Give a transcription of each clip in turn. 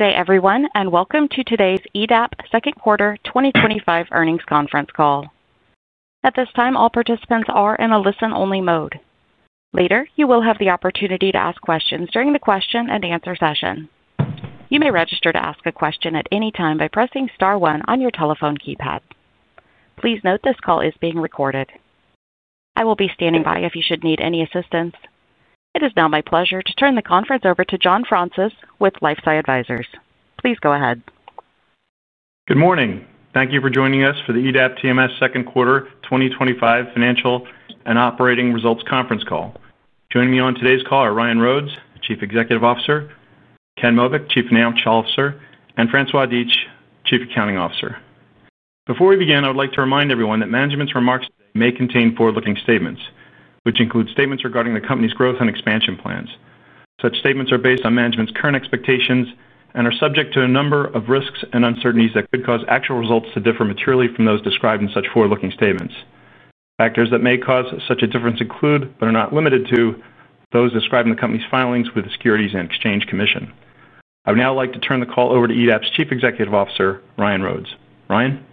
Good day everyone, and welcome to today's EDAP TMS Second Quarter 2025 Earnings Conference Call. At this time all participants are in a listen-only mode. Later, you will have the opportunity to ask questions during the question and answer session. You may register to ask a question at any time by pressing star one on your telephone keypad. Please note this call is being recorded. I will be standing by if you should need any assistance. It is now my pleasure to turn the conference over to John Fraunces with LifeSci Advisors. Please go ahead. Good morning. Thank you for joining us for the EDAP TMS Second Quarter 2025 Financial and Operating Results Conference Call. Joining me on today's call are Ryan Rhodes, Chief Executive Officer; Ken Mobeck, Chief Financial Officer; and François Dietsch, Chief Accounting Officer. Before we begin I would like to remind everyone that management's remarks may contain forward-looking statements which include statements regarding the company's growth and expansion plans. Such statements are based on management's current expectations and are subject to a number of risks and uncertainties that could cause actual results to differ materially from those described in such forward-looking statements. Factors that may cause such a difference include, but are not limited to those described in the company's filings with the Securities and Exchange Commission. I would now like to turn the call over to EDAP's Chief Executive Officer, Ryan Rhodes. Ryan.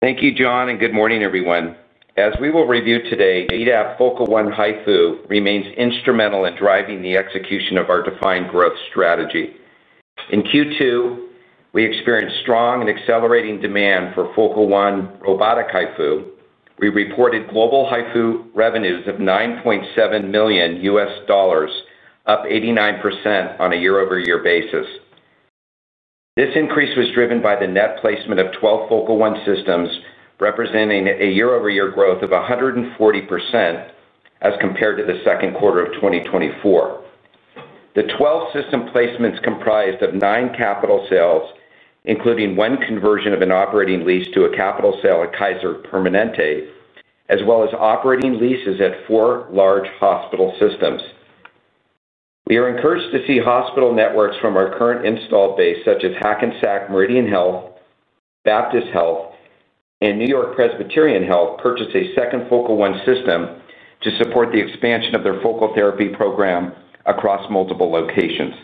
Thank you John, and good morning, everyone. As we will review today EDAP Focal One HIFU remains instrumental in driving the execution of our defined growth strategy. In Q2, we experienced strong and accelerating demand for Focal One robotic HIFU. We reported global HIFU revenues of $9.7 million, up 89% on a year-over-year basis. This increase was driven by the net placement of 12 Focal One systems representing a year-over-year growth of 140% as compared to the second quarter of 2024. The 12 system placements comprised nine capital sales including one conversion of an operating lease to a capital sale at Kaiser Permanente as well as operating leases at four large hospital systems. We are encouraged to see hospital networks from our current installed base such as Hackensack Meridian Health, Baptist Health, and New York Presbyterian Health, purchase a second Focal One system to support the expansion of their focal therapy program across multiple locations.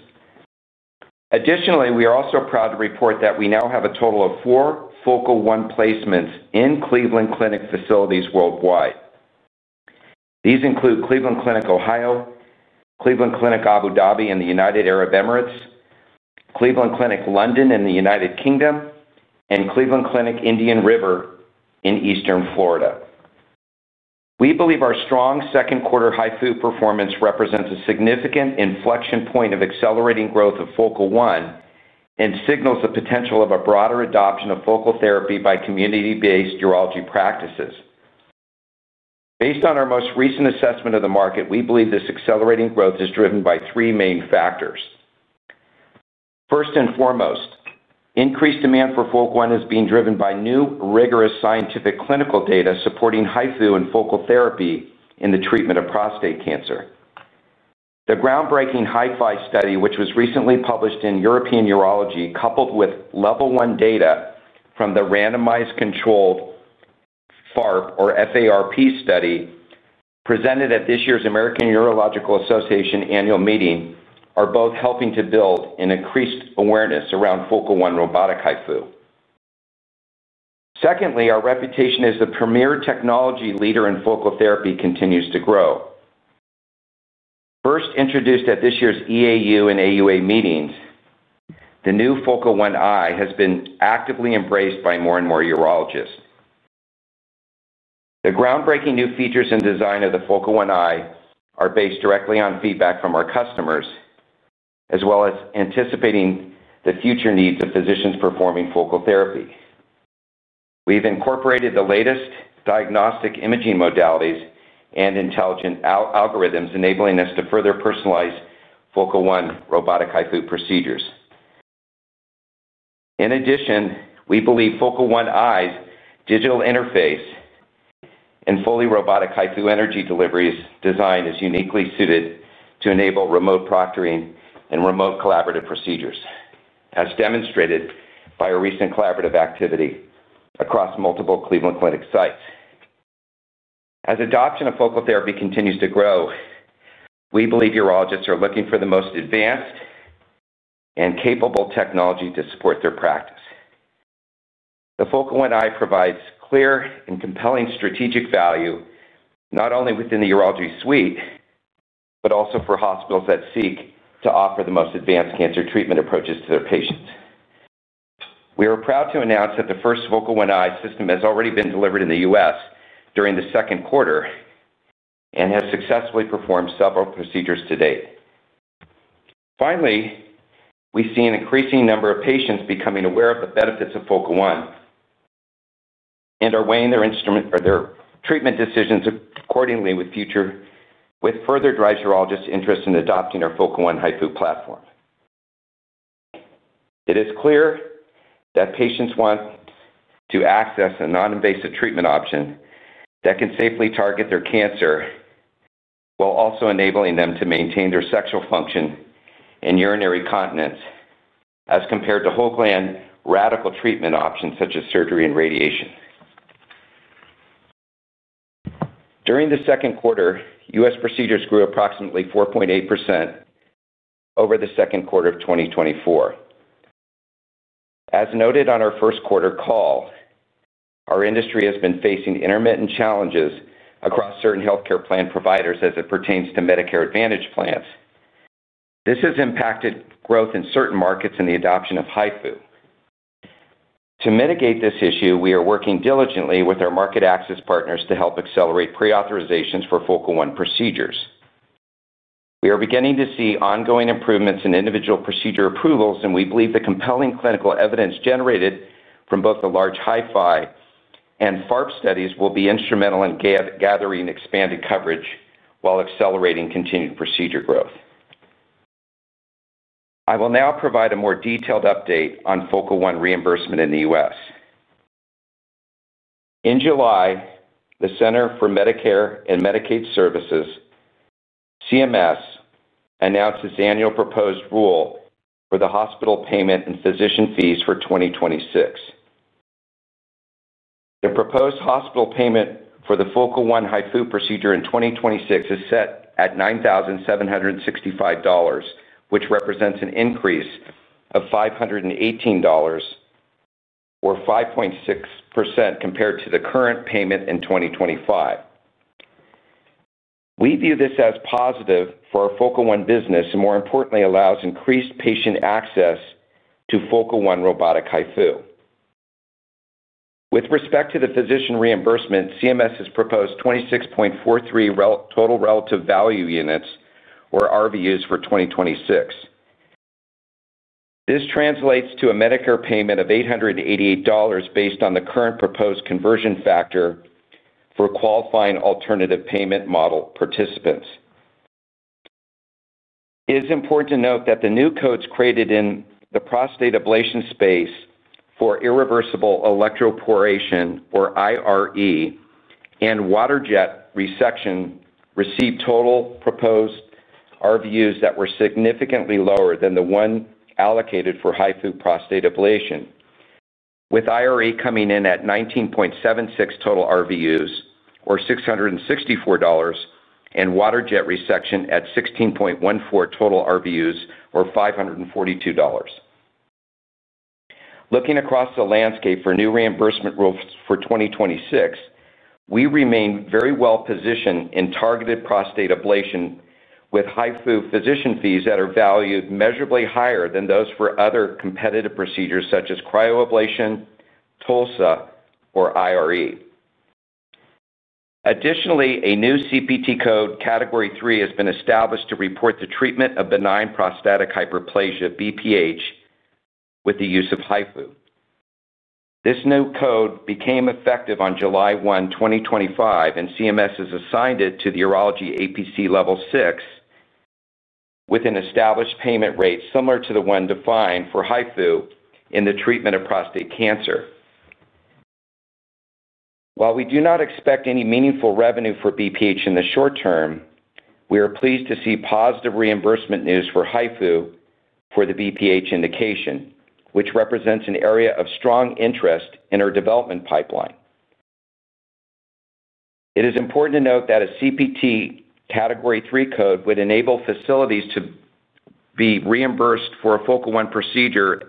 Additionally we are also proud to report that we now have a total of four Focal One placements in Cleveland Clinic facilities worldwide. These include Cleveland Clinic Ohio, Cleveland Clinic Abu Dhabi in the United Arab Emirates, Cleveland Clinic London in the United Kingdom, and Cleveland Clinic Indian River in Eastern Florida. We believe our strong second quarter HIFU performance represents a significant inflection point of accelerating growth of Focal One and signals the potential of a broader adoption of focal therapy by community-based urology practices. Based on our most recent assessment of the market we believe this accelerating growth is driven by three main factors. First and foremost, increased demand for Focal One is being driven by new rigorous scientific clinical data supporting HIFU and focal therapy in the treatment of prostate cancer. The groundbreaking HIFI study which was recently published in European Urology coupled with level one data from the randomized controlled FARP or FARP study presented at this year's American Urological Association annual meeting are both helping to build an increased awareness around Focal One robotic HIFU. Secondly, our reputation as the premier technology leader in focal therapy continues to grow. First introduced at this year's EAU and AUA meetings, the new Focal One i has been actively embraced by more and more urologists. The groundbreaking new features and design of the Focal One i are based directly on feedback from our customers, as well as anticipating the future needs of physicians performing focal therapy. We've incorporated the latest diagnostic imaging modalities and intelligent algorithms enabling us to further personalize Focal One robotic HIFU procedures. In addition, we believe Focal One i's digital interface and fully robotic HIFU energy deliveries design is uniquely suited to enable remote proctoring and remote collaborative procedures as demonstrated by a recent collaborative activity across multiple Cleveland Clinic sites. As adoption of focal therapy continues to grow, we believe urologists are looking for the most advanced and capable technology to support their practice. The Focal One i provides clear and compelling strategic value not only within the urology suite, but also for hospitals that seek to offer the most advanced cancer treatment approaches to their patients. We are proud to announce that the first Focal One i system has already been delivered in the U.S. during the second quarter and has successfully performed several procedures to date. Finally, we see an increasing number of patients becoming aware of the benefits of Focal One and are weighing their treatment decisions accordingly with future which further drives urologists' interest in adopting our Focal One HIFU platform. It is clear that patients want to access a non-invasive treatment option that can safely target their cancer while also enabling them to maintain their sexual function and urinary continence as compared to whole gland radical treatment options such as surgery and radiation. During the second quarter, U.S. procedures grew approximately 4.8% over the second quarter of 2024. As noted on our first quarter call our industry has been facing intermittent challenges across certain healthcare plan providers as it pertains to Medicare Advantage plans. This has impacted growth in certain markets and the adoption of HIFU. To mitigate this issue we are working diligently with our market access partners to help accelerate pre-authorizations for Focal One procedures. We are beginning to see ongoing improvements in individual procedure approvals, and we believe the compelling clinical evidence generated from both the large HIFI and FARP studies will be instrumental in gathering expanded coverage while accelerating continued procedure growth. I will now provide a more detailed update on Focal One reimbursement in the U.S. In July, the Center for Medicare and Medicaid Services, CMS, announced its annual proposed rule for the hospital payment and physician fees for 2026. The proposed hospital payment for the Focal One HIFU procedure in 2026 is set at $9,765, which represents an increase of $518, or 5.6% compared to the current payment in 2025. We view this as positive for our Focal One business and, more importantly, allows increased patient access to Focal One robotic HIFU. With respect to the physician reimbursement, CMS has proposed 26.43 total relative value units, or RVUs, for 2026. This translates to a Medicare payment of $888 based on the current proposed conversion factor for qualifying alternative payment model participants. It is important to note that the new codes created in the prostate ablation space for irreversible electroporation, or IRE, and water jet resection received total proposed RVUs that were significantly lower than the one allocated for HIFU prostate ablation, with IRE coming in at 19.76 total RVUs, or $664, and water jet resection at 16.14 total RVUs, or $542. Looking across the landscape for new reimbursement rules for 2026, we remain very well positioned in targeted prostate ablation with HIFU physician fees that are valued measurably higher than those for other competitive procedures such as cryoablation, TOLSA, or IRE. Additionally, a new CPT code, Category 3, has been established to report the treatment of benign prostatic hyperplasia, BPH, with the use of HIFU. This new code became effective on July 1, 2025, and CMS has assigned it to the urology APC level 6 with an established payment rate similar to the one defined for HIFU in the treatment of prostate cancer. While we do not expect any meaningful revenue for BPH in the short term, we are pleased to see positive reimbursement news for HIFU for the BPH indication, which represents an area of strong interest in our development pipeline. It is important to note that a CPT Category 3 code would enable facilities to be reimbursed for a Focal One procedure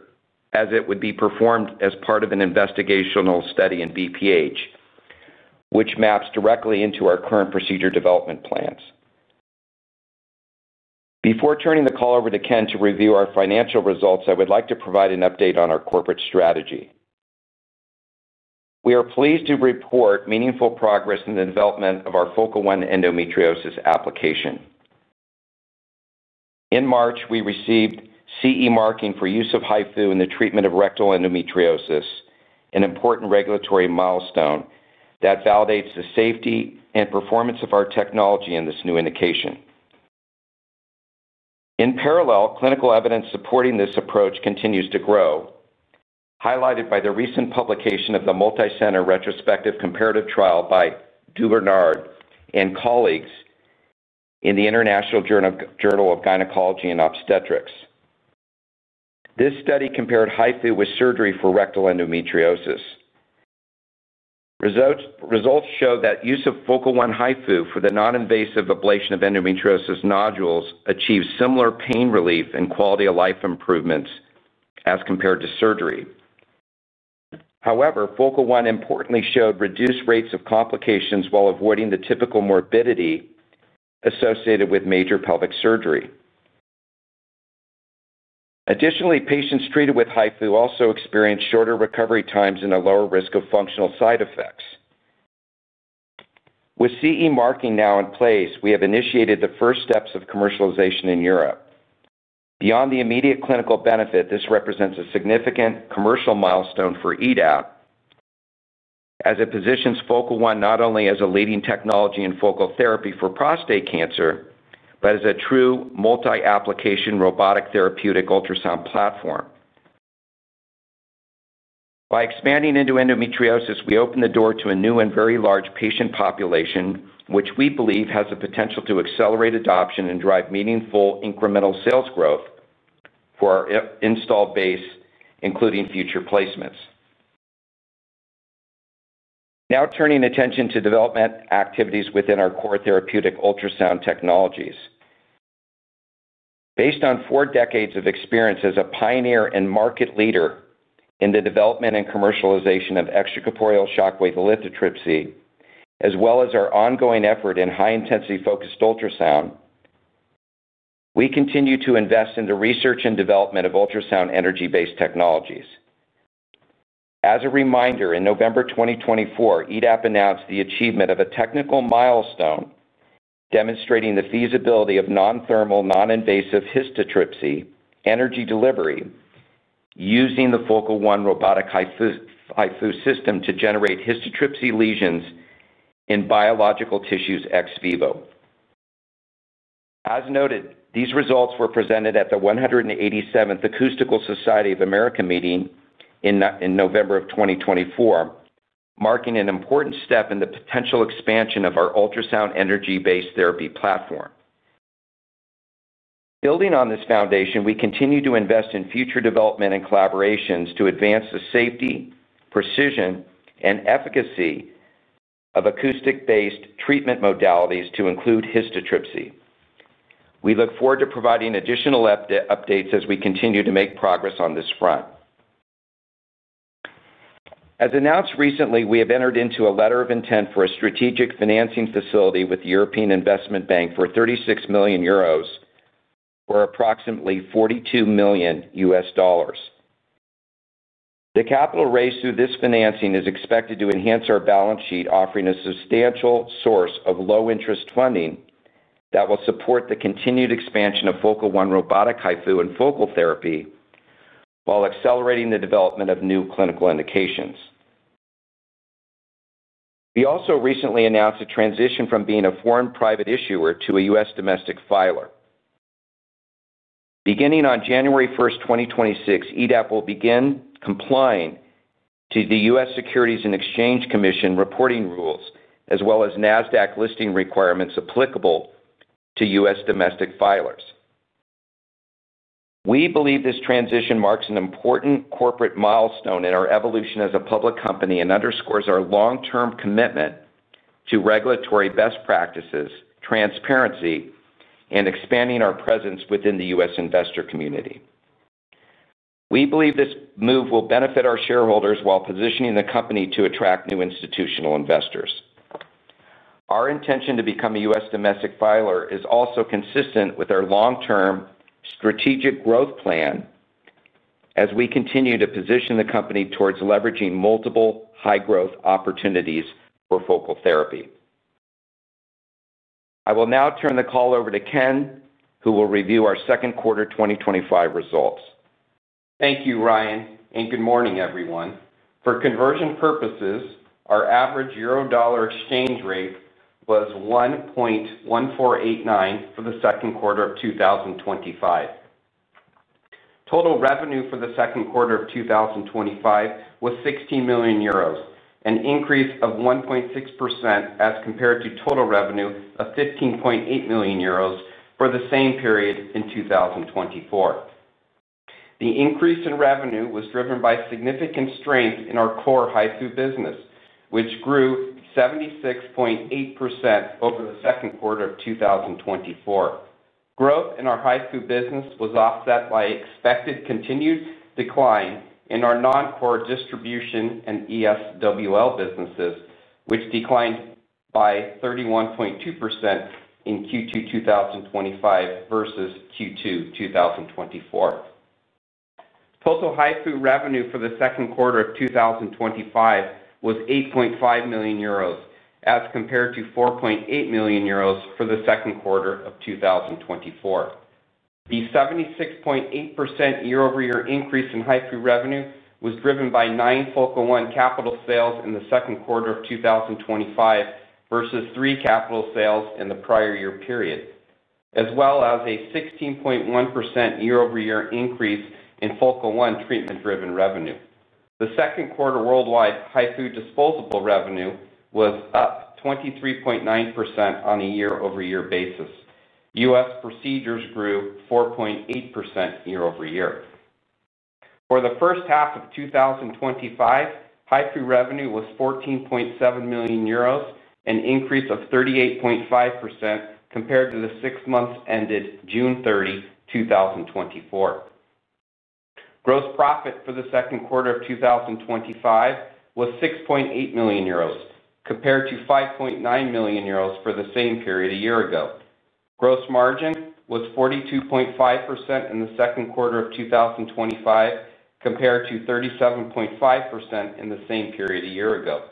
as it would be performed as part of an investigational study in BPH, which maps directly into our current procedure development plans. Before turning the call over to Ken to review our financial results I would like to provide an update on our corporate strategy. We are pleased to report meaningful progress in the development of our Focal One endometriosis application. In March, we received CE Marking for use of HIFU in the treatment of rectal endometriosis, an important regulatory milestone that validates the safety and performance of our technology in this new indication. In parallel, clinical evidence supporting this approach continues to grow, highlighted by the recent publication of the Multicenter Retrospective Comparative Trial by Dubernard and colleagues in the International Journal of Gynecology and Obstetrics. This study compared HIFU with surgery for rectal endometriosis. Results show that use of Focal One HIFU for the non-invasive ablation of endometriosis nodules achieves similar pain relief and quality of life improvements as compared to surgery. However, Focal One importantly showed reduced rates of complications while avoiding the typical morbidity associated with major pelvic surgery. Additionally, patients treated with HIFU also experience shorter recovery times and a lower risk of functional side effects. With CE Marking now in place we have initiated the first steps of commercialization in Europe. Beyond the immediate clinical benefit this represents a significant commercial milestone for EDAP, as it positions Focal One not only as a leading technology in focal therapy for prostate cancer, but as a true multi-application robotic therapeutic ultrasound platform. By expanding into endometriosis, we open the door to a new and very large patient population, which we believe has the potential to accelerate adoption and drive meaningful incremental sales growth for our installed base, including future placements. Now turning attention to development activities within our core therapeutic ultrasound technologies. Based on four decades of experience as a pioneer and market leader in the development and commercialization of extracorporeal shock wave lithotripsy, as well as our ongoing effort in high-intensity focused ultrasound, we continue to invest in the research and development of ultrasound energy-based technologies. As a reminder, in November 2024, EDAP TMS announced the achievement of a technical milestone demonstrating the feasibility of non-thermal, non-invasive histotripsy energy delivery using the Focal One robotic HIFU system to generate histotripsy lesions in biological tissues ex vivo. As noted, these results were presented at the 187th Acoustical Society of America meeting in November of 2024, marking an important step in the potential expansion of our ultrasound energy-based therapy platform. Building on this foundation, we continue to invest in future development and collaborations to advance the safety, precision, and efficacy of acoustic-based treatment modalities to include histotripsy. We look forward to providing additional updates as we continue to make progress on this front. As announced recently, we have entered into a letter of intent for a strategic financing facility with the European Investment Bank for €36 million, or approximately $42 million. The capital raised through this financing is expected to enhance our balance sheet, offering a substantial source of low-interest funding that will support the continued expansion of Focal One robotic HIFU and focal therapy while accelerating the development of new clinical indications. We also recently announced a transition from being a foreign private issuer to a U.S. domestic filer. Beginning on January 1, 2026, EDAP TMS will begin complying with the U.S. Securities and Exchange Commission reporting rule as well as NASDAQ listing requirements applicable to U.S. domestic filers. We believe this transition marks an important corporate milestone in our evolution as a public company and underscores our long-term commitment to regulatory best practices, transparency, and expanding our presence within the U.S. investor community. We believe this move will benefit our shareholders while positioning the company to attract new institutional investors. Our intention to become a U.S. domestic filer is also consistent with our long-term strategic growth plan as we continue to position the company towards leveraging multiple high-growth opportunities for focal therapy. I will now turn the call over to Ken, who will review our second quarter 2025 results. Thank you Ryan, and good morning everyone. For conversion purposes, our average euro-dollar exchange rate was 1.1489 for the second quarter of 2025. Total revenue for the second quarter of 2025 was €16 million, an increase of 1.6% as compared to total revenue of €15.8 million for the same period in 2024. The increase in revenue was driven by significant strength in our core HIFU business, which grew 76.8% over the second quarter of 2024. Growth in our HIFU business was offset by expected continued decline in our non-core distribution and ESWL businesses, which declined by 31.2% in Q2 2025 versus Q2 2024. Total HIFU revenue for the second quarter of 2025 was €8.5 million as compared to €4.8 million for the second quarter of 2024. The 76.8% year-over-year increase in HIFU revenue was driven by nine Focal One capital sales in the second quarter of 2025 versus three capital sales in the prior year period, as well as a 16.1% year-over-year increase in Focal One treatment-driven revenue. The second quarter worldwide HIFU disposable revenue was up 23.9% on a year-over-year basis. U.S. procedures grew 4.8% year-over-year. For the first half of 2025, HIFU revenue was €14.7 million, an increase of 38.5% compared to the six months ended June 30, 2024. Gross profit for the second quarter of 2025 was €6.8 million compared to €5.9 million for the same period a year ago. Gross margin was 42.5% in the second quarter of 2025 compared to 37.5% in the same period a year ago.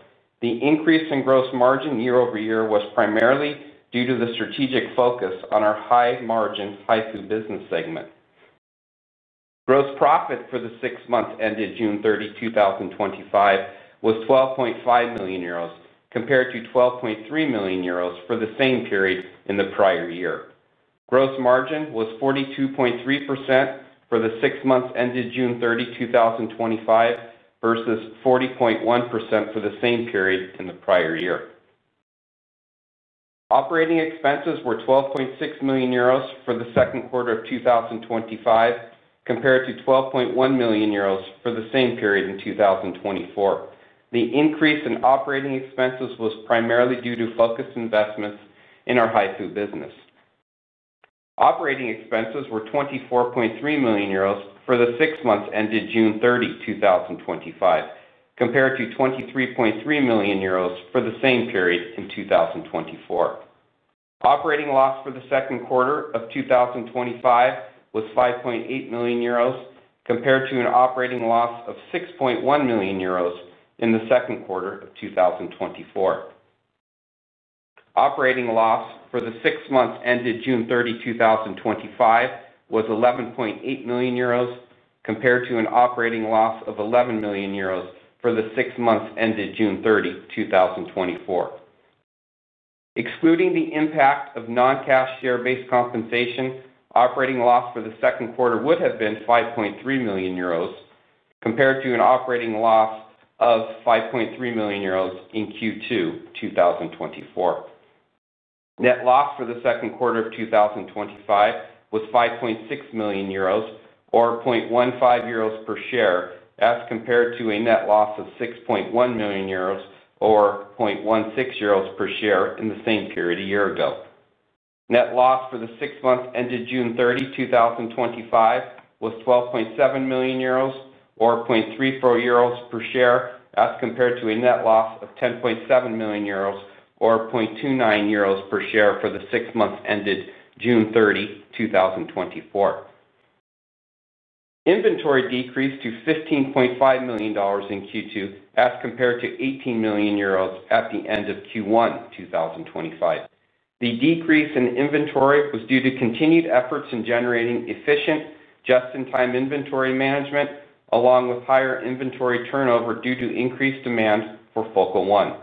The increase in gross margin year-over-year was primarily due to the strategic focus on our high-margin HIFU business segment. Gross profit for the six months ended June 30, 2025 was €12.5 million compared to €12.3 million for the same period in the prior year. Gross margin was 42.3% for the six months ended June 30, 2025 versus 40.1% for the same period in the prior year. Operating expenses were €12.6 million for the second quarter of 2025 compared to €12.1 million for the same period in 2024. The increase in operating expenses was primarily due to focused investments in our HIFU business. Operating expenses were €24.3 million for the six months ended June 30, 2025, compared to €23.3 million for the same period in 2024. Operating loss for the second quarter of 2025 was €5.8 million compared to an operating loss of €6.1 million in the second quarter of 2024. Operating loss for the six months ended June 30, 2025 was €11.8 million compared to an operating loss of €11 million for the six months ended June 30, 2024. Excluding the impact of non-cash share-based compensation, operating loss for the second quarter would have been €5.3 million compared to an operating loss of €5.3 million in Q2 2024. Net loss for the second quarter of 2025 was €5.6 million or €0.15 per share as compared to a net loss of €6.1 million or €0.16 per share in the same period a year ago. Net loss for the six months ended June 30, 2025 was €12.7 million or €0.34 per share as compared to a net loss of €10.7 million or €0.29 per share for the six months ended June 30, 2024. Inventory decreased to €15.5 million in Q2 as compared to €18 million at the end of Q1 2025. The decrease in inventory was due to continued efforts in generating efficient, just-in-time inventory management, along with higher inventory turnover due to increased demand for Focal One.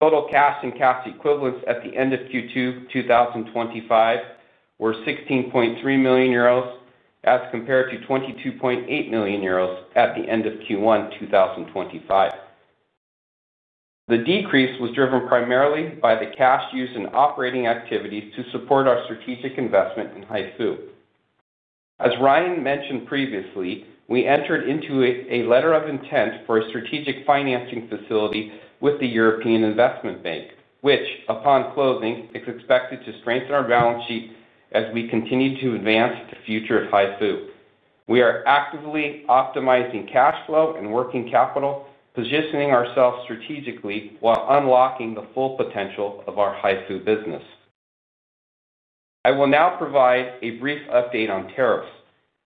Total cash and cash equivalents at the end of Q2 2025 were €16.3 million as compared to €22.8 million at the end of Q1 2025. The decrease was driven primarily by the cash used in operating activities to support our strategic investment in HIFU. As Ryan mentioned previously, we entered into a letter of intent for a strategic financing facility with the European Investment Bank, which, upon closing, is expected to strengthen our balance sheet as we continue to advance the future of HIFU. We are actively optimizing cash flow and working capital, positioning ourselves strategically while unlocking the full potential of our HIFU business. I will now provide a brief update on tariffs.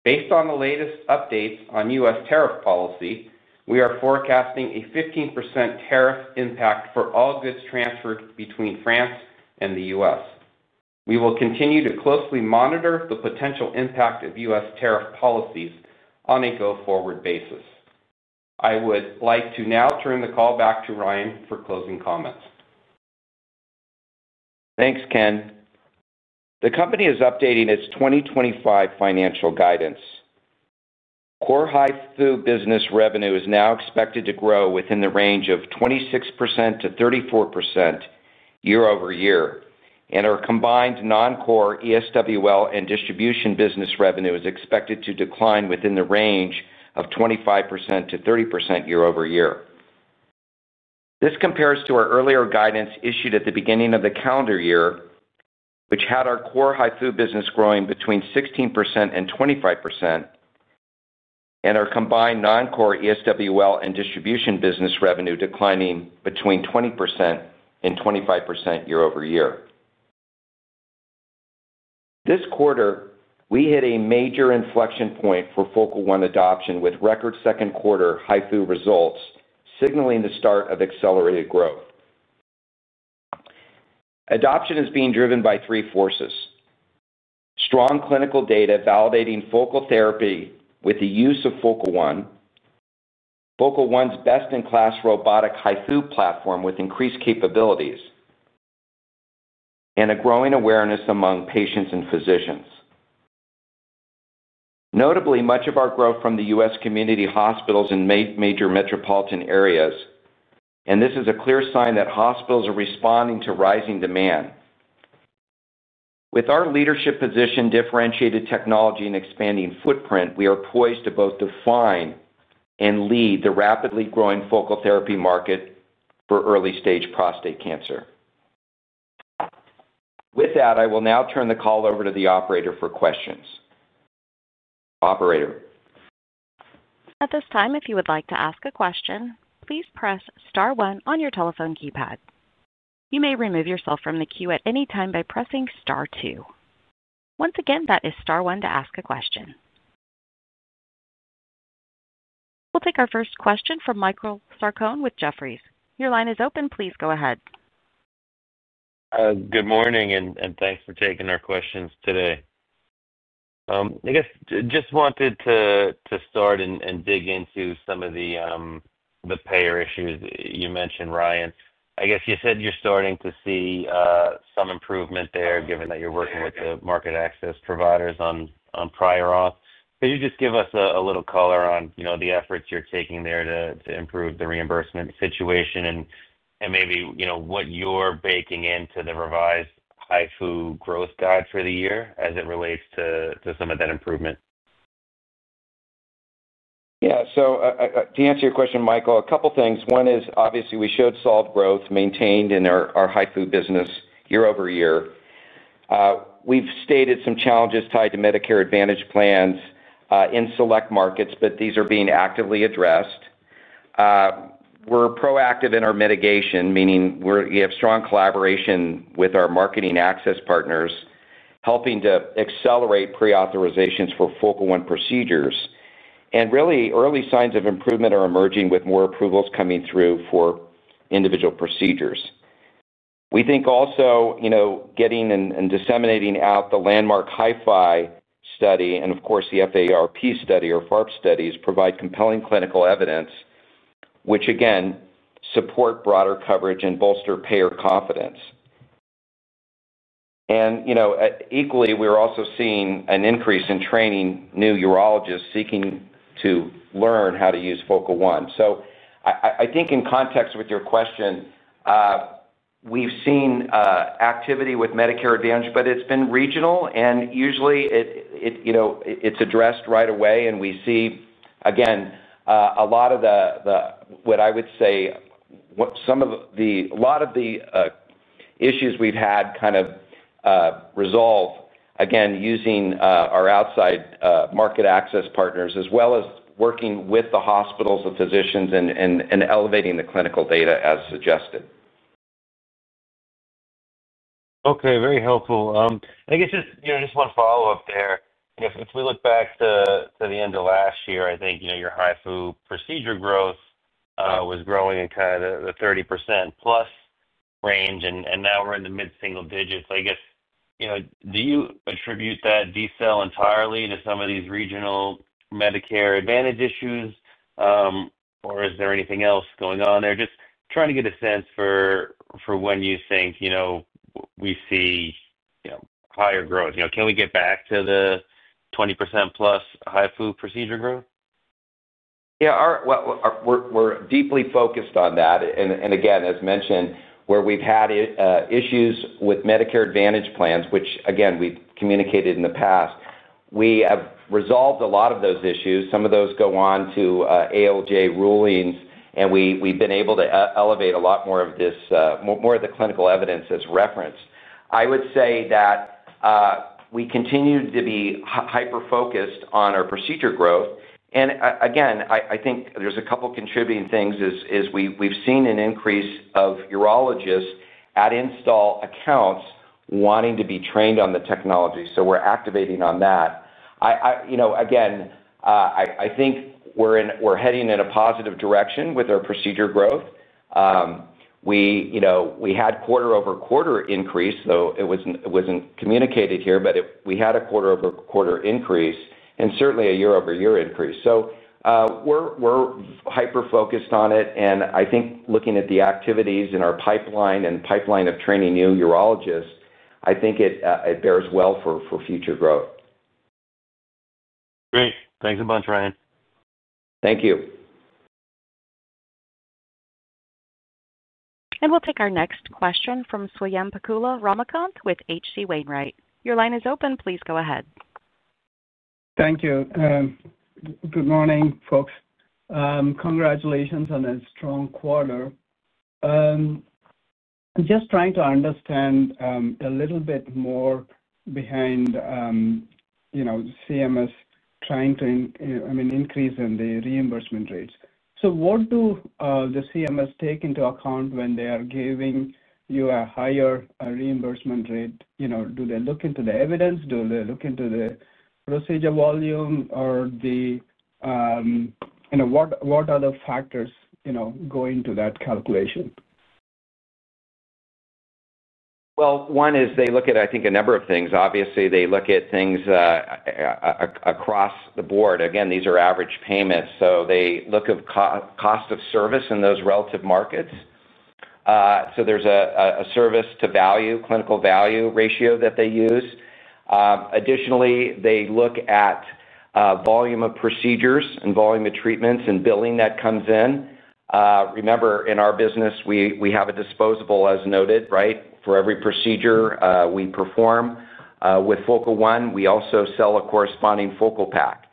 Based on the latest updates on U.S. tariff policy, we are forecasting a 15% tariff impact for all goods transferred between France and the U.S. We will continue to closely monitor the potential impact of U.S. tariff policies on a go-forward basis. I would like to now turn the call back to Ryan for closing comments. Thanks Ken. The company is updating its 2025 financial guidance. Core HIFU business revenue is now expected to grow within the range of 26% to 34% year over year, and our combined non-core ESWL and distribution business revenue is expected to decline within the range of 25% to 30% year over year. This compares to our earlier guidance issued at the beginning of the calendar year, which had our core HIFU business growing between 16% and 25%, and our combined non-core ESWL and distribution business revenue declining between 20% and 25% year over year. This quarter, we hit a major inflection point for Focal One adoption with record second quarter HIFU results signaling the start of accelerated growth. Adoption is being driven by three forces: strong clinical data validating focal therapy with the use of Focal One, Focal One's best-in-class robotic HIFU platform with increased capabilities, and a growing awareness among patients and physicians. Notably, much of our growth from the U.S. community hospitals in major metropolitan areas, and this is a clear sign that hospitals are responding to rising demand. With our leadership position, differentiated technology, and expanding footprint, we are poised to both define and lead the rapidly growing focal therapy market for early-stage prostate cancer. With that, I will now turn the call over to the operator for questions. Operator. At this time if you would like to ask a question, please press star one on your telephone keypad. You may remove yourself from the queue at any time by pressing star two. Once again that is star one to ask a question. We'll take our first question from Michael Sarcone with Jefferies. Your line is open. Please go ahead. Good morning and thanks for taking our questions today. I just wanted to start and dig into some of the payer issues you mentioned, Ryan. You said you're starting to see some improvement there given that you're working with the market access partners on prior auth. Could you just give us a little color on the efforts you're taking there to improve the reimbursement situation and maybe what you're baking into the revised HIFU growth guide for the year as it relates to some of that improvement? Yeah, to answer your question, Michael, a couple of things. One is obviously we showed solid growth maintained in our HIFU business year over year. We've stated some challenges tied to Medicare Advantage plans in select markets, but these are being actively addressed. We're proactive in our mitigation, meaning we have strong collaboration with our market access partners, helping to accelerate pre-authorizations for Focal One procedures. Really, early signs of improvement are emerging with more approvals coming through for individual procedures. We think also, you know, getting and disseminating out the landmark HIFI study and, of course, the FARP study or FARP studies provide compelling clinical evidence, which again support broader coverage and bolster payer confidence. Equally, we're also seeing an increase in training new urologists seeking to learn how to use Focal One. I think in context with your question, we've seen activity with Medicare Advantage, but it's been regional, and usually it's addressed right away. We see, again, a lot of the, what I would say, a lot of the issues we've had kind of resolve again using our outside market access partners, as well as working with the hospitals, the physicians, and elevating the clinical data as suggested. Okay, very helpful. I guess just one follow-up there. If we look back to the end of last year, I think your HIFU procedure growth was growing in kind of the 30% plus range, and now we're in the mid-single digits. I guess, do you attribute that detail entirely to some of these regional Medicare Advantage issues, or is there anything else going on there? Just trying to get a sense for when you think we see higher growth. Can we get back to the 20% plus HIFU procedure growth? Yeah, we're deeply focused on that. As mentioned, where we've had issues with Medicare Advantage plans, which we've communicated in the past, we have resolved a lot of those issues. Some of those go on to ALJ rulings, and we've been able to elevate a lot more of this, more of the clinical evidence as reference. I would say that we continue to be hyper-focused on our procedure growth. I think there's a couple of contributing things is we've seen an increase of urologists at install accounts wanting to be trained on the technology. We're activating on that. I think we're heading in a positive direction with our procedure growth. We had quarter over quarter increase, though it wasn't communicated here but we had a quarter over quarter increase and certainly a year over year increase. We're hyper-focused on it. Looking at the activities in our pipeline and the pipeline of training new urologists, I think it bears well for future growth. Great. Thanks a bunch, Ryan. Thank you. We will take our next question from Swayampakula Ramakanth with H.C. Wainwright. Your line is open. Please go ahead. Thank you. Good morning, folks. Congratulations on a strong quarter. I'm just trying to understand a little bit more behind CMS trying to increase in the reimbursement rates. What do the CMS take into account when they are giving you a higher reimbursement rate? Do they look into the evidence? Do they look into the procedure volume or what other factors go into that calculation? Well, one is they look at, I think, a number of things. Obviously, they look at things across the board. These are average payments. They look at cost of service in those relative markets. There is a service to value, clinical value ratio that they use. Additionally, they look at volume of procedures and volume of treatments and billing that comes in. Remember, in our business, we have a disposable, as noted, right, for every procedure we perform. With Focal One, we also sell a corresponding Focal Pack.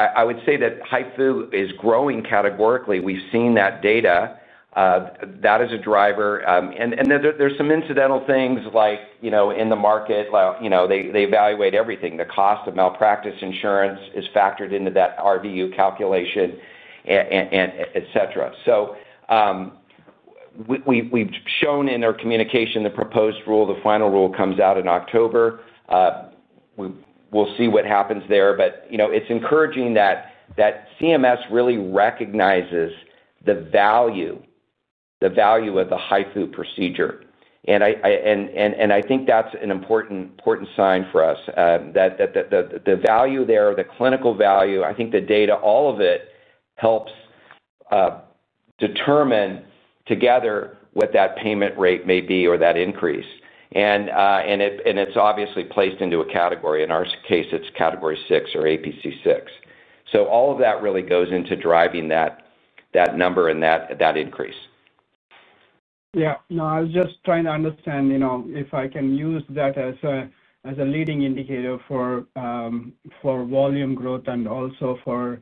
I would say that HIFU is growing categorically. We've seen that data. That is a driver. There are some incidental things like, you know, in the market, they evaluate everything. The cost of malpractice insurance is factored into that RVU calculation, et cetera. We've shown in our communication the proposed rule. The final rule comes out in October. We'll see what happens there. It's encouraging that CMS really recognizes the value, the value of the HIFU procedure. I think that's an important sign for us. The value there, the clinical value, I think the data, all of it helps determine together what that payment rate may be or that increase. It's obviously placed into a category. In our case, it's Category 6 or APC 6. All of that really goes into driving that number and that increase. I was just trying to understand, you know, if I can use that as a leading indicator for volume growth and also for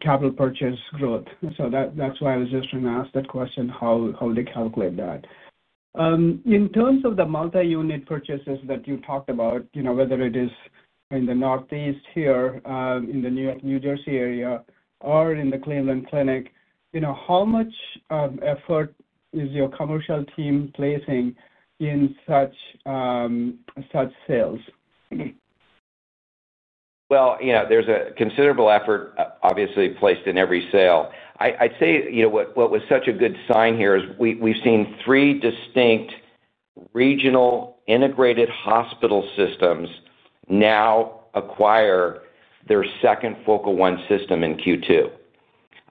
capital purchase growth. That's why I was just going to ask that question, how they calculate that. In terms of the multi-unit purchases that you talked about, whether it is in the Northeast here, in the New Jersey area, or in the Cleveland Clinic, how much effort is your commercial team placing in such sales? There is a considerable effort, obviously, placed in every sale. I'd say what was such a good sign here is we've seen three distinct regional integrated hospital systems now acquire their second Focal One system in Q2.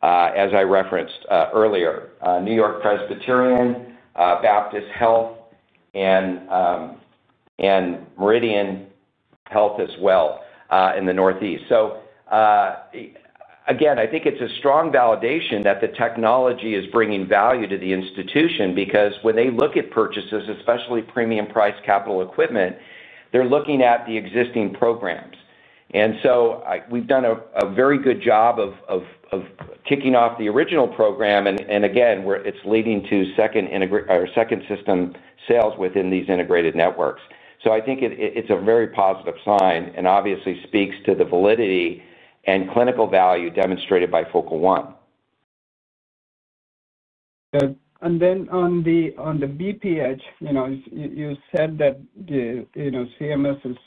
As I referenced earlier, New York Presbyterian, Baptist Health, and Meridian Health as well in the Northeast. I think it's a strong validation that the technology is bringing value to the institution because when they look at purchases, especially premium priced capital equipment, they're looking at the existing programs. We've done a very good job of kicking off the original program, and it's leading to second system sales within these integrated networks. I think it's a very positive sign and obviously speaks to the validity and clinical value demonstrated by Focal One. On the BPH, you said that CMS is,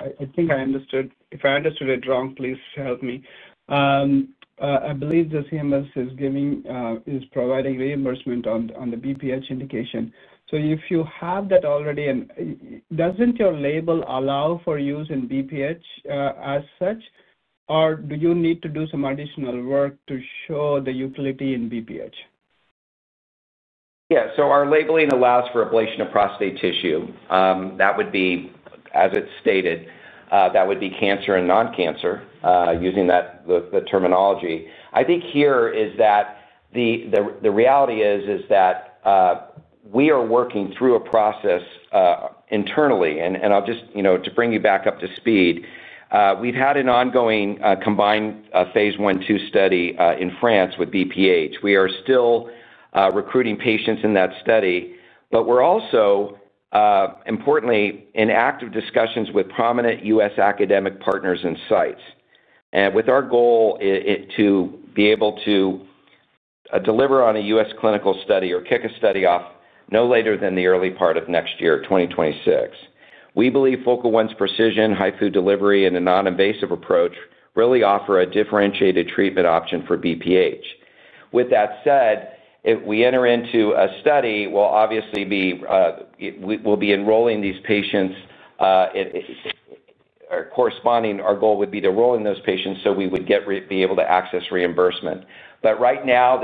I think I understood, if I understood it wrong please help me. I believe CMS is providing reimbursement on the BPH indication. If you have that already, doesn't your label allow for use in BPH as such, or do you need to do some additional work to show the utility in BPH? Yeah, so our labeling allows for ablation of prostate tissue. That would be, as it's stated, that would be cancer and non-cancer, using that, the terminology. The reality is that we are working through a process internally. To bring you back up to speed, we've had an ongoing combined phase one two study in France with BPH. We are still recruiting patients in that study, but we're also, importantly, in active discussions with prominent U.S. academic partners and sites. With our goal to be able to deliver on a U.S. clinical study or kick a study off no later than the early part of next year, 2026, we believe Focal One's precision, HIFU delivery, and a non-invasive approach really offer a differentiated treatment option for BPH. If we enter into a study, we'll obviously be enrolling these patients. Our goal would be to enroll in those patients so we would be able to access reimbursement. Right now,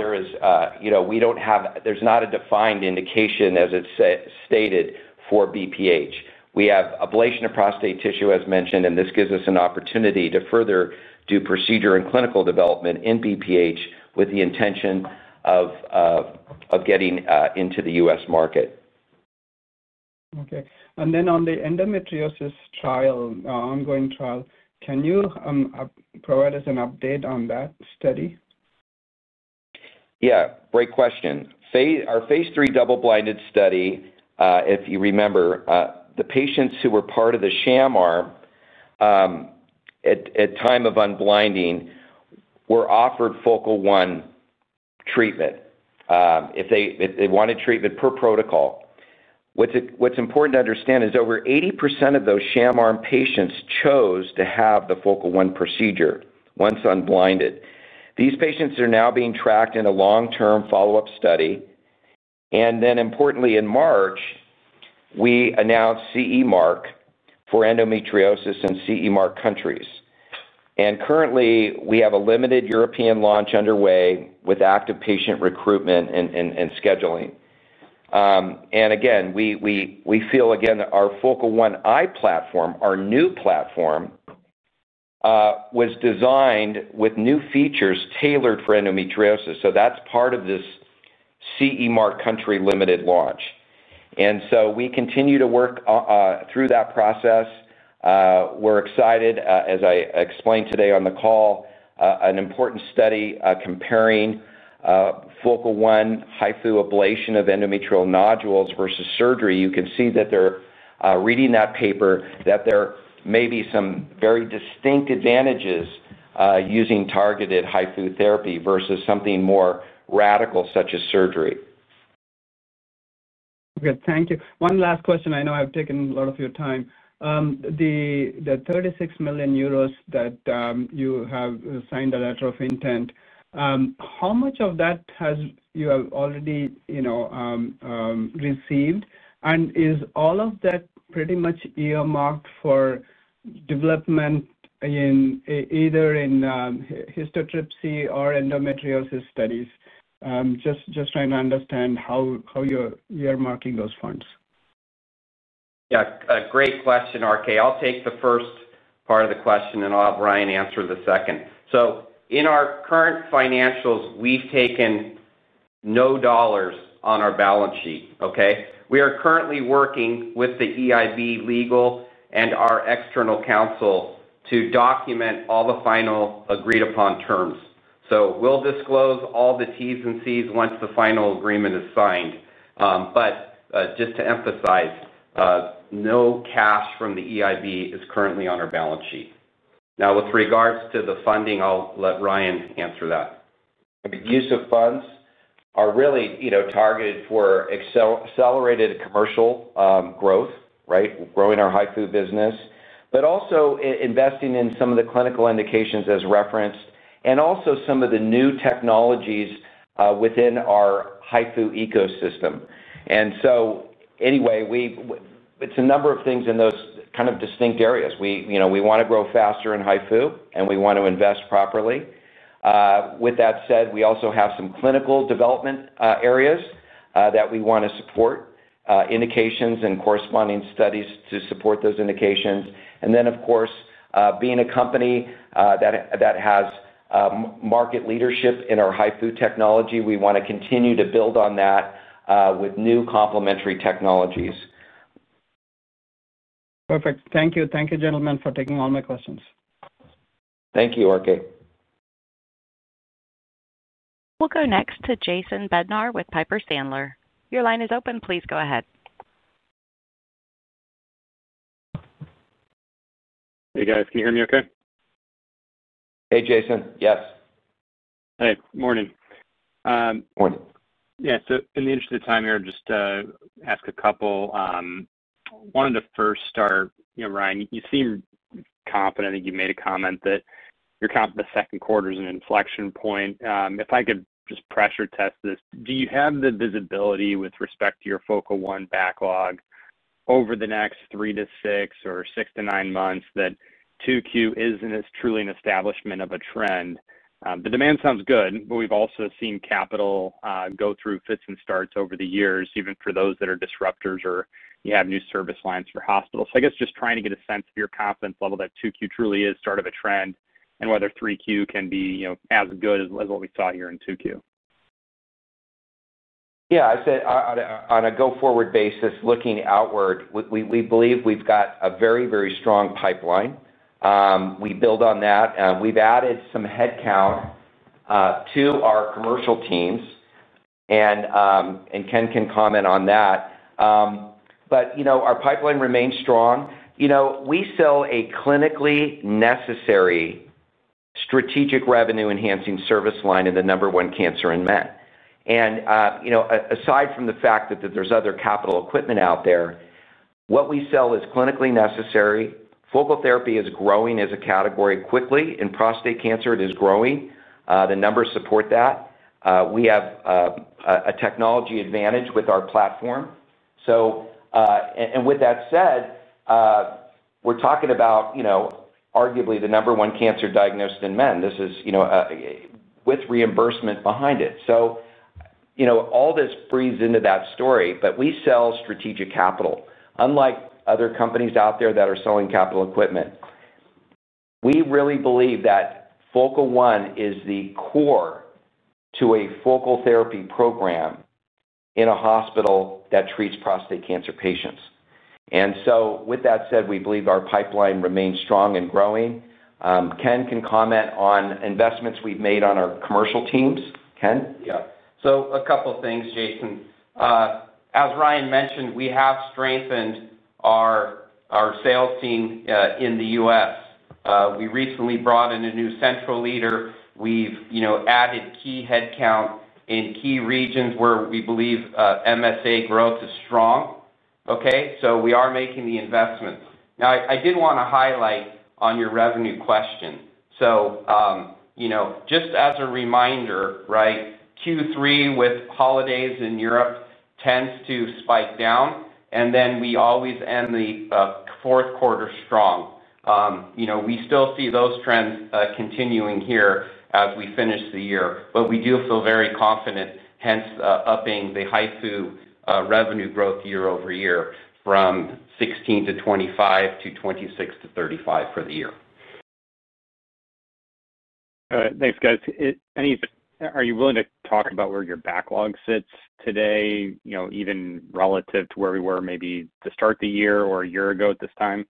we don't have, there's not a defined indication as it's stated for BPH. We have ablation of prostate tissue as mentioned and this gives us an opportunity to further do procedure and clinical development in BPH with the intention of getting into the U.S. market. Okay. On the endometriosis trial, ongoing trial, can you provide us an update on that study? Yeah, great question. Our phase three double-blinded study, if you remember, the patients who were part of the sham arm at the time of unblinding were offered Focal One treatment if they wanted treatment per protocol. What's important to understand is over 80% of those sham arm patients chose to have the Focal One procedure once unblinded. These patients are now being tracked in a long-term follow-up study. In March, we announced CE Mark for endometriosis in CE Mark countries. Currently, we have a limited European launch underway with active patient recruitment and scheduling. We feel again that our Focal One i platform, our new platform, was designed with new features tailored for endometriosis. That's part of this CE Mark country limited launch. We continue to work through that process. We're excited as I explained today on the call, about an important study comparing Focal One HIFU ablation of endometrial nodules versus surgery. You can see that they're reading that paper, that there may be some very distinct advantages using targeted HIFU therapy versus something more radical such as surgery. Okay, thank you. One last question. I know I've taken a lot of your time. The €36 million that you have signed a letter of intent, how much of that have you already, you know, received? Is all of that pretty much earmarked for development in either histotripsy or endometriosis studies? Just trying to understand how you're earmarking those funds. Yeah, great question, RK. I'll take the first part of the question and I'll have Ryan answer the second. In our current financials, we've taken no dollars on our balance sheet, okay? We are currently working with the European Investment Bank legal and our external counsel to document all the final agreed-upon terms. We'll disclose all the Ts and Cs once the final agreement is signed. Just to emphasize, no cash from the European Investment Bank is currently on our balance sheet. Now, with regards to the funding, I'll let Ryan answer that. The use of funds are really, you know, targeted for accelerated commercial growth, right? We're growing our HIFU business, but also investing in some of the clinical indications as referenced, and also some of the new technologies within our HIFU ecosystem. Anyway, it's a number of things in those kind of distinct areas. We want to grow faster in HIFU and we want to invest properly. With that said, we also have some clinical development areas that we want to support, indications and corresponding studies to support those indications. Of course, being a company that has market leadership in our HIFU technology, we want to continue to build on that with new complementary technologies. Perfect. Thank you. Thank you, gentlemen, for taking all my questions. Thank you, RK. We'll go next to Jason Bednar with Piper Sandler. Your line is open. Please go ahead. Hey guys can you hear me okay? Hey, Jason. Yes. Hey, good morning. Morning. Yeah, in the interest of time here, I'll just ask a couple. One of the first are, Ryan, you seem confident. I think you made a comment that you're confident the second quarter is an inflection point. If I could just pressure test this, do you have the visibility with respect to your Focal One backlog over the next three to six or six to nine months that Q2 isn't truly an establishment of a trend? The demand sounds good, but we've also seen capital go through fits and starts over the years, even for those that are disruptors or you have new service lines for hospitals. I guess just trying to get a sense of your confidence level that Q2 truly is the start of a trend and whether Q3 can be, you know, as good as what we saw here in Q2. Yeah, I'd say on a go-forward basis, looking outward, we believe we've got a very, very strong pipeline. We build on that. We've added some headcount to our commercial teams, and Ken can comment on that. Our pipeline remains strong. We sell a clinically necessary strategic revenue-enhancing service line in the number one cancer in men. Aside from the fact that there's other capital equipment out there, what we sell is clinically necessary. Focal therapy is growing as a category quickly. In prostate cancer, it is growing. The numbers support that. We have a technology advantage with our platform. We're talking about, arguably, the number one cancer diagnosed in men. This is with reimbursement behind it. All this breeds into that story, but we sell strategic capital. Unlike other companies out there that are selling capital equipment, we really believe that Focal One is the core to a focal therapy program in a hospital that treats prostate cancer patients. With that said, we believe our pipeline remains strong and growing. Ken can comment on investments we've made on our commercial teams. Ken? Yeah, so a couple of things, Jason. As Ryan mentioned, we have strengthened our sales team in the U.S. We recently brought in a new central leader. We've added key headcount in key regions where we believe MSA growth is strong. We are making the investment. I did want to highlight on your revenue question. Just as a reminder, Q3 with holidays in Europe tends to spike down, and then we always end the fourth quarter strong. We still see those trends continuing here as we finish the year, but we do feel very confident, hence upping the HIFU revenue growth year over year from 16% to 25% to 26% to 35% for the year. Thanks, guys. Are you willing to talk about where your backlog sits today, you know, even relative to where we were maybe to start the year or a year ago at this time?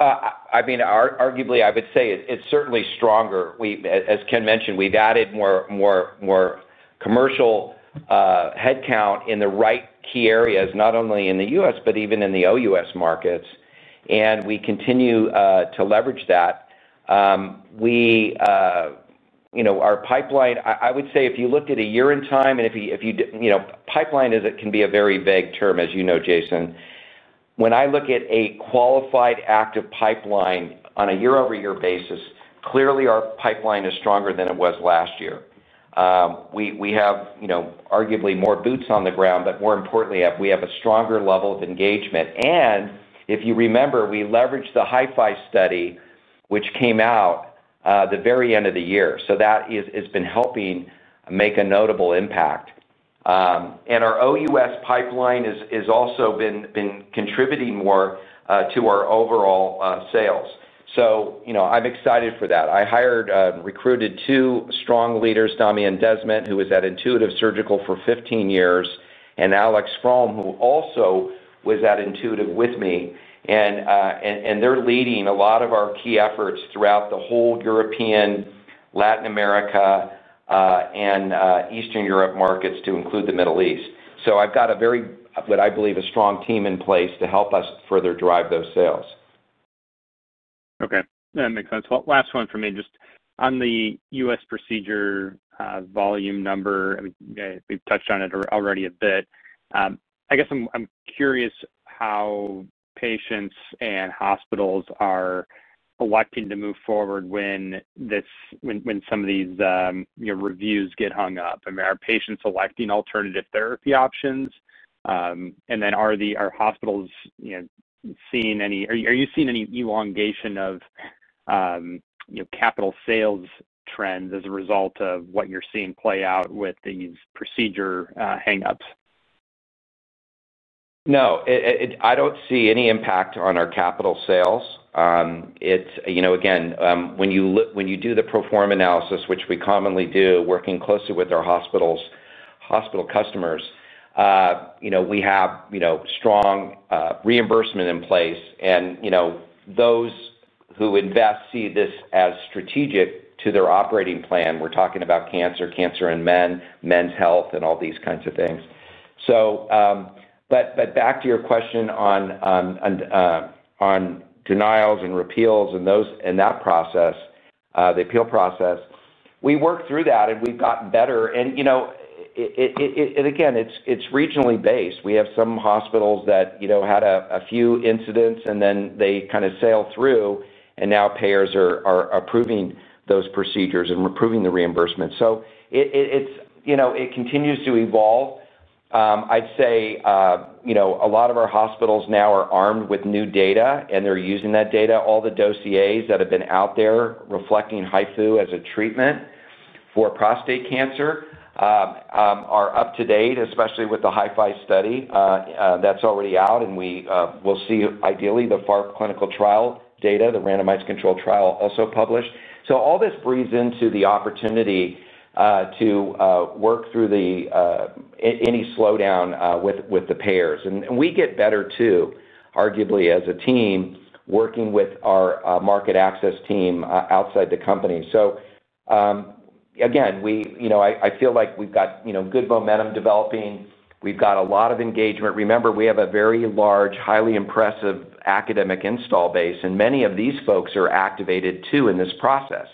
I mean, arguably, I would say it's certainly stronger. As Ken mentioned, we've added more commercial headcount in the right key areas, not only in the U.S., but even in the OUS markets. We continue to leverage that. Our pipeline, I would say if you looked at a year in time, and if you, pipeline can be a very vague term, as you know, Jason. When I look at a qualified active pipeline on a year-over-year basis, clearly our pipeline is stronger than it was last year. We have, arguably more boots on the ground, but more importantly, we have a stronger level of engagement. If you remember, we leveraged the HIFI study which came out the very end of the year. That has been helping make a notable impact. Our OUS pipeline has also been contributing more to our overall sales. I'm excited for that. I hired and recruited two strong leaders; Damian Desmet, who was at Intuitive Surgical for 15 years, and Alex Fromm, who also was at Intuitive with me. They're leading a lot of our key efforts throughout the whole European, Latin America, and Eastern Europe markets to include the Middle East. I've got a very, what I believe, a strong team in place to help us further drive those sales. Okay, that makes sense. Last one for me, just on the U.S. procedure volume number we've touched on it already a bit. I guess I'm curious how patients and hospitals are electing to move forward when some of these, you know, reviews get hung up. I mean, are patients selecting alternative therapy options? Are the hospitals, you know, seeing any, are you seeing any elongation of, you know, capital sales trends as a result of what you're seeing play out with these procedure hang-ups? No, I don't see any impact on our capital sales. It's, you know, again, when you do the perform analysis, which we commonly do working closely with our hospital customers, we have strong reimbursement in place. Those who invest see this as strategic to their operating plan. We're talking about cancer, cancer in men, men's health, and all these kinds of things. Back to your question on denials and appeals and that process, the appeal process, we work through that and we've gotten better. It, again, is regionally based. We have some hospitals that had a few incidents and then they kind of sailed through and now payers are approving those procedures and approving the reimbursement. It continues to evolve. I'd say a lot of our hospitals now are armed with new data and they're using that data. All the dossiers that have been out there reflecting HIFU as a treatment for prostate cancer are up to date, especially with the HIFI study that's already out. We will see, ideally, the FARP clinical trial data, the randomized control trial, also published. All this breeds into the opportunity to work through any slowdown with the payers. We get better too, arguably, as a team working with our market access team outside the company. I feel like we've got good momentum developing. We've got a lot of engagement. Remember, we have a very large, highly impressive academic install base, and many of these folks are activated too in this process.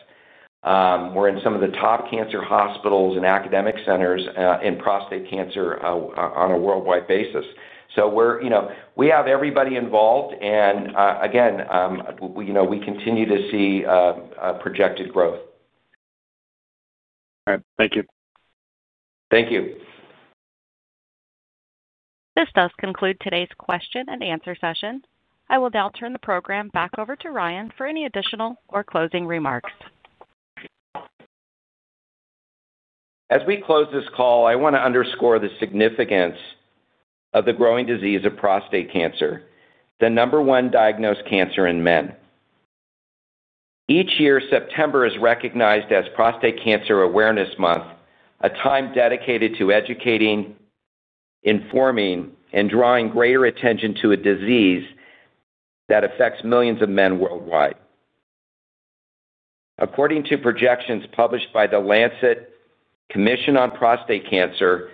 We're in some of the top cancer hospitals and academic centers in prostate cancer on a worldwide basis. We have everybody involved. We continue to see projected growth. All right, thank you. Thank you. This does conclude today's question and answer session. I will now turn the program back over to Ryan for any additional or closing remarks. As we close this call I want to underscore the significance of the growing disease of prostate cancer, the number one diagnosed cancer in men. Each year, September is recognized as Prostate Cancer Awareness Month, a time dedicated to educating, informing, and drawing greater attention to a disease that affects millions of men worldwide. According to projections published by the Lancet Commission on Prostate Cancer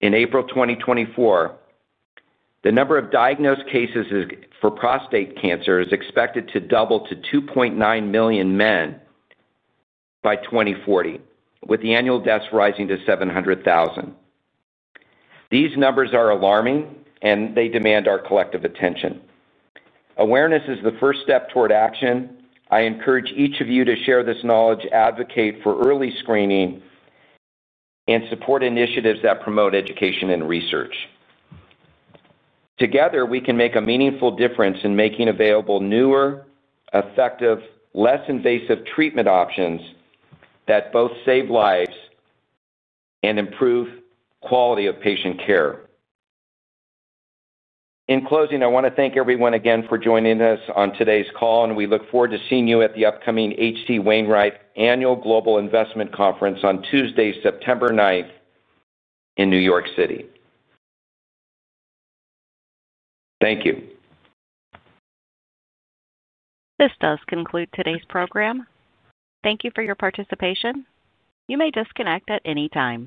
in April 2024, the number of diagnosed cases for prostate cancer is expected to double to 2.9 million men by 2040, with the annual deaths rising to 700,000. These numbers are alarming, and they demand our collective attention. Awareness is the first step toward action. I encourage each of you to share this knowledge, advocate for early screening, and support initiatives that promote education and research. Together, we can make a meaningful difference in making available newer, effective, less invasive treatment options that both save lives and improve quality of patient care. In closing, I want to thank everyone again for joining us on today's call, and we look forward to seeing you at the upcoming H.C. Wainwright Annual Global Investment Conference on Tuesday, September 9th, in New York City. Thank you. This does conclude today's program. Thank you for your participation, you may disconnect at any time.